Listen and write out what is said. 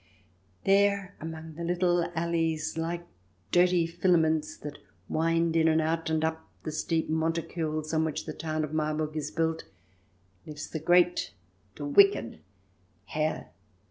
There, among the little alleys, like dirty filaments, that wind in and out and up the steep monticules on which the town of Marburg is built, lives the great, the wicked Herr